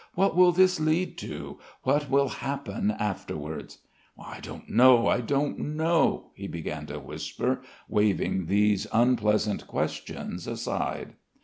"What will this lead to? What will happen afterwards?" "I don't know. I don't know," he began to whisper, waving these unpleasant questions aside.